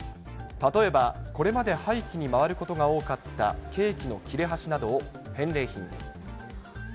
例えば、これまで廃棄に回ることが多かったケーキの切れ端などを返礼品に。